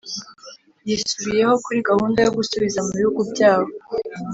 yisubiyeho kuri gahunda yo gusubiza mu bihugu byabo